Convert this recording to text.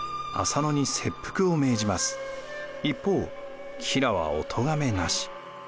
一方吉良はおとがめなし。